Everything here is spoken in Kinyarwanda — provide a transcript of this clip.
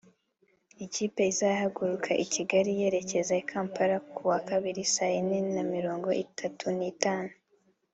Ikipe izahaguruka i Kigali yerekeza i Kampala ku wa kabiri saa yine na mirongo itatu n’itanu